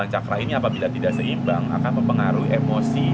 cakra ini apabila tidak seimbang akan mempengaruhi emosi